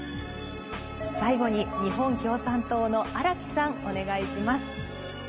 最後に日本共産党の荒木さんお願いします。